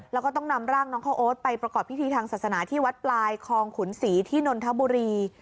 แล้วก็ต้องนำร่างน้องข้าวโอ๊ตไปประกอบพิธีทางศาสนาที่วัดปลายคลองขุนศรีที่นนทบุรี